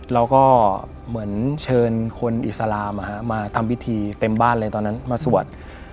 เราก็เหมือนเชิญคนอิสลามมาทำพิธีเต็มบ้านเลยตอนนั้นมาสวด